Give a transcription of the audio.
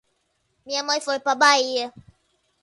Minha mãe foi pra Bahia.